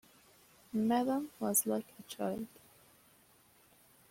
Madame was like a child.